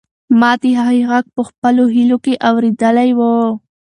ما د هغې غږ په خپلو هیلو کې اورېدلی و.